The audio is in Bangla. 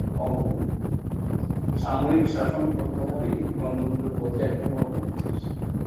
সামরিক শাসন প্রত্যাহারই গণতন্ত্রের পথে এক ধাপ অগ্রগতি।